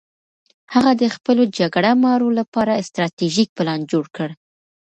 هغه د خپلو جګړه مارو لپاره ستراتیژیک پلان جوړ کړ.